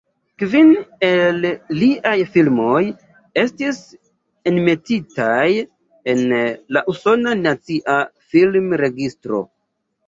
Kvin el liaj filmoj estis enmetitaj en la Usona Nacia Film-Registro.